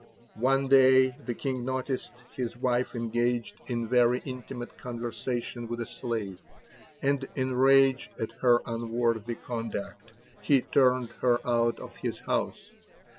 One day the king noticed his wife engaged in very intimate conversation with a slave; and enraged at her unworthy conduct, he turned here out of his house.